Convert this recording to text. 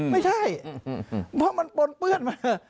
ไม่ใช่เพราะมันปนเปื้อนมา